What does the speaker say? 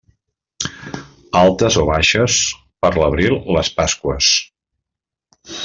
Altes o baixes, per l'abril les Pasqües.